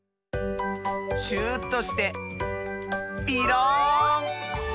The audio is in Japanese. シューッとしてピローン！